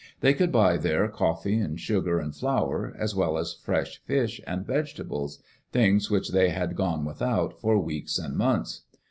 They could buy there coffee and sugar and flour, as well as fresh fish and vegetables — things which they had gone without for weeks and months.